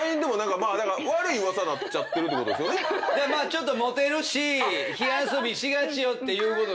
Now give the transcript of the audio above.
ちょっとモテるし火遊びしがちっていうことですよね。